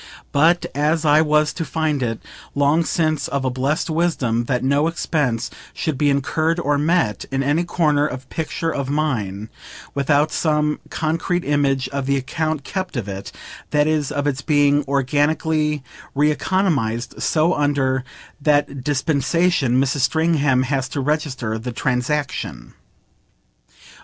But as I was to find it long since of a blest wisdom that no expense should be incurred or met, in any corner of picture of mine, without some concrete image of the account kept of it, that is of its being organically re economised, so under that dispensation Mrs. Stringham has to register the transaction.